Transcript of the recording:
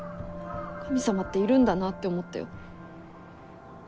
神様っているんだなあって思ったよ。